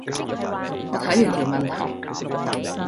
我睇完條問題